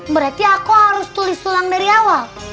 berarti aku harus tulis tulang dari awal